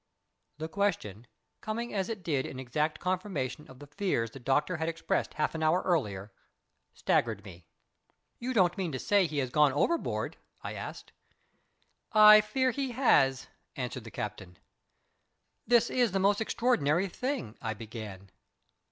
The question, coming as it did in exact confirmation of the fears the doctor had expressed half an hour earlier, staggered me. "You don't mean to say he has gone overboard?" I asked. "I fear he has," answered the captain. "This is the most extraordinary thing " I began.